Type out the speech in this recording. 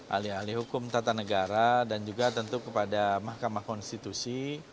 ahli ahli hukum tata negara dan juga tentu kepada mahkamah konstitusi